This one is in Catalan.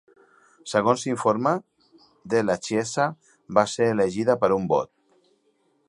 Segons s'informa, Della Chiesa va ser elegida per un vot.